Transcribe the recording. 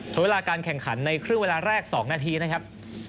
ใช้เวลาการแข่งขันในครึ่งเวลาแรก๒นาทีนะครับ